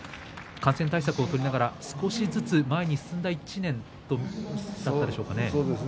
感染対策を取りながら少しずつ前に進んだ１年ということでしょうか。